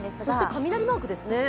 雷マークですね。